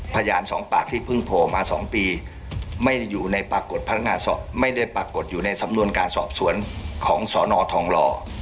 พยานสองปากที่เพิ่งโผล่มา๒ปีไม่ได้อยู่ในปรากฏพนักงานสอบไม่ได้ปรากฏอยู่ในสำนวนการสอบสวนของสนทองหล่อ